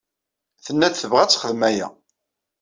Tenna-d tebɣa ad texdem aya.